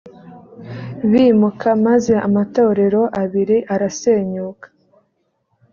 bimuka maze amatorero abiri arasenyuka